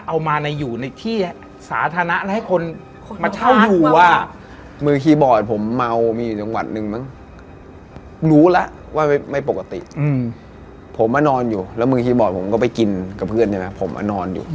อะไรอย่างนี้กะว่าวันนี้มีเรื่องแน่นอน